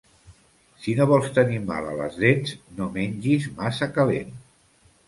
Si no vols tenir mal a les dents, no mengis massa calent.